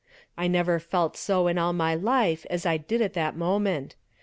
I never felt so in all my life as I did at that moment.